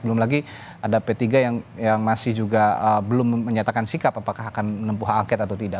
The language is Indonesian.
belum lagi ada p tiga yang masih juga belum menyatakan sikap apakah akan menempuh hak angket atau tidak